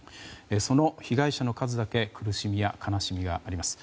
その被害者の数だけ苦しみや悲しみがあります。